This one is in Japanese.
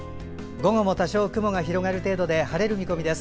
午後も多少、雲が広がる程度で晴れる見込みです。